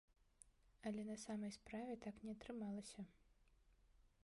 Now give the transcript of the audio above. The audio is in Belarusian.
Але на самай справе так не атрымалася.